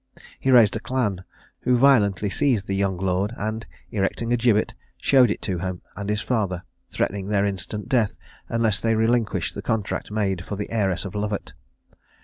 He raised a clan, who violently seized the young lord, and, erecting a gibbet, showed it to him and his father, threatening their instant death unless they relinquished the contract made for the heiress of Lovat.